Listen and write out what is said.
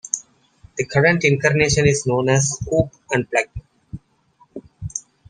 The current incarnation is known as "Scoop Unplugged".